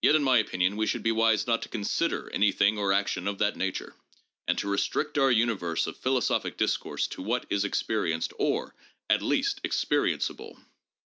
Yet in my opinion we should be wise not to consider any thing or action of that nature, and to restrict our universe of philosophic discourse to what is experienced or, at least, experiencable."